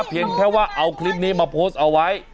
เพียงแค่ว่าเอาคลิปนี้มาโพสต์เอาไว้